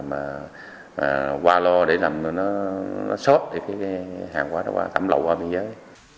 mà qua lo để làm nó nó nó sốt để cái hàng qua nó qua tắm lậu qua biên giới